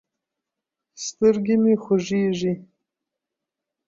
سترګې مې خوږېږي.